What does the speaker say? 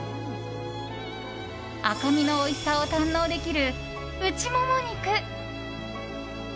赤身のおいしさを堪能できる内もも肉。